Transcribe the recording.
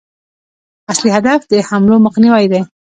اصلي هدف د حملو مخنیوی دی.